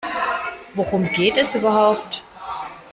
Worum geht es überhaupt?